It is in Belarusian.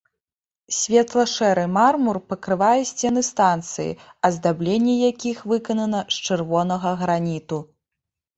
Светла-шэры мармур пакрывае сцены станцыі, аздабленне якіх выканана з чырвонага граніту.